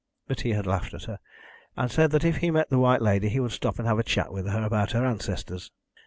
But he had laughed at her, and said if he met the White Lady he would stop and have a chat with her about her ancestors.